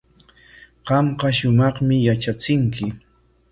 Qamqa shumaqmi yatrachinki.